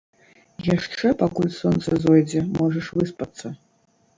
Яшчэ пакуль сонца зойдзе, можаш выспацца.